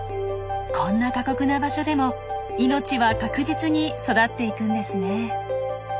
こんな過酷な場所でも命は確実に育っていくんですね。